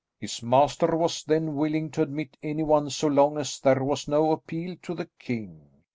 His master was then willing to admit anyone so long as there was no appeal to the king.